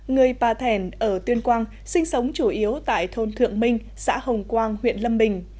người pa thèn ở tuyên quang sinh sống chủ yếu tại thôn thượng minh xã hồng quang huyện lâm bình